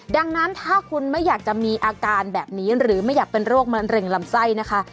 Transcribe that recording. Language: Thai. ดังนั้นถ้าคุณไม่อยากจะมีอาการแบบนี้หรือไม่อยากเป็นโรคมะเร็งลำไส้นะคะ